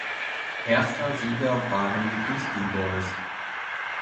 Erster Sieger waren die Beastie Boys.